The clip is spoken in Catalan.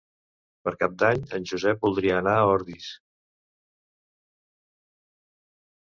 Per Cap d'Any en Josep voldria anar a Ordis.